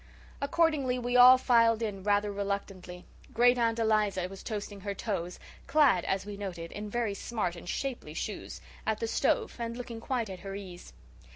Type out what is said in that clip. Accordingly we all filed in rather reluctantly. Great aunt Eliza was toasting her toes clad, as we noted, in very smart and shapely shoes at the stove and looking quite at her ease.